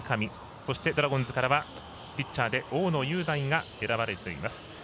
そしてドラゴンズからはピッチャーで大野雄大が選ばれています。